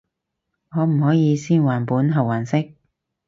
可唔可以先還本後還息？